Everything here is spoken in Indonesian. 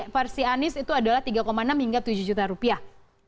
versi anies itu adalah tiga enam hingga tujuh juta rupiah